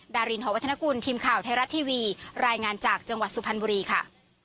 ดารินหอวัฒนกุลทีมข่าวไทยรัฐทีวีรายงานจากจังหวัดสุพรรณบุรีค่ะ